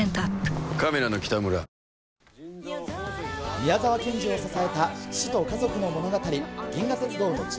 宮沢賢治を支えた、父と家族の物語、銀河鉄道の父。